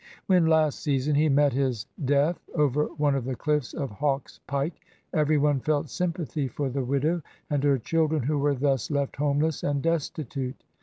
When last season he met his death over one of the cliffs of Hawk's Pike, every one felt sympathy for the widow and her children, who were thus left homeless and destitute.